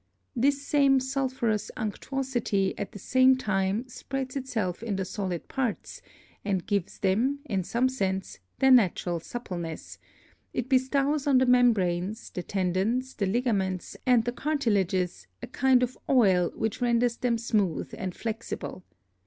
This same sulphurous Unctuosity at the same time spreads itself in the solid Parts, and gives them, in some sense, their natural Suppleness; it bestows on the Membranes, the Tendons, the Ligaments, and the Cartilages, a kind of Oil which renders them smooth and flexible.